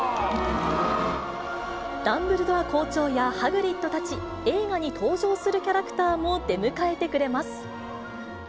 ダンブルドア校長や、ハグリッドたち、映画に登場するキャラクターたちも出迎えてくれます。